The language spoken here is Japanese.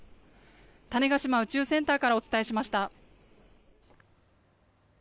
種子島宇宙センターからお伝えしました。